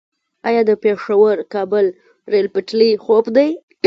آیا د پیښور - کابل ریل پټلۍ خوب دی؟